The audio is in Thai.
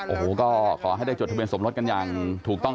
โอ้โหก็ขอให้ได้จดทะเบียนสมรสกันอย่างถูกต้อง